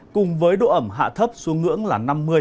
cùng với độ ẩm hạ thấp xuống ngưỡng là năm mươi sáu mươi